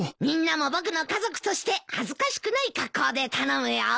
みんなも僕の家族として恥ずかしくない格好で頼むよ。